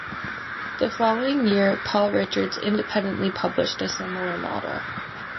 The following year Paul Richards independently published a similar model.